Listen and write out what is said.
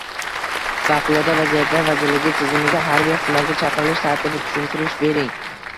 Favqulodda vaziyatlar vazirligi tizimiga harbiy xizmatga chaqirilish tartibi tushuntirish bering?